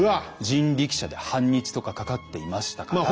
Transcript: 人力車で半日とかかかっていましたから。